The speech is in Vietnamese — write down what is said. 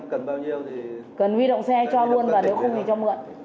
cần huy động xe cho luôn và nếu không thì cho mượn